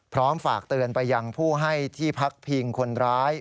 ฝากเตือนไปยังผู้ให้ที่พักพิงคนร้าย